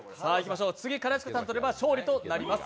次、兼近さんが取れば勝利となります。